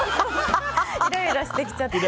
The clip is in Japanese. イライラしてきちゃって。